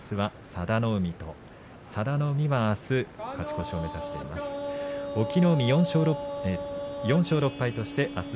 佐田の海は、あす勝ち越しを目指しています。